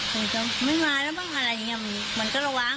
ต้องมาอะไรอย่างนี้แล้วมันก็ระวัง